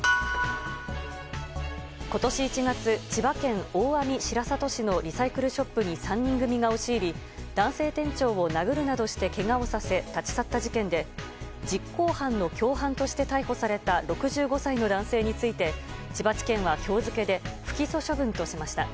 今年１月、千葉県大網白里市のリサイクルショップに３人組が押し入り男性店長を殴るなどしてけがをさせ、立ち去った事件で実行犯の共犯として逮捕された６５歳の男性について千葉地検は今日付で不起訴処分としました。